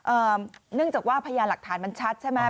เนื่องจากว่าพยานหลักฐานมันชัดใช่ไหม